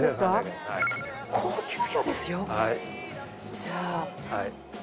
じゃあ。